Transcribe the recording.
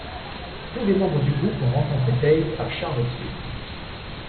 Tous les membres du groupe ont rencontré Dave à Charlottesville.